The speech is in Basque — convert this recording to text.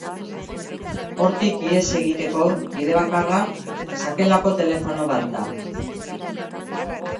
Hortik ihes egiteko bide bakarra sakelako telefono bat da.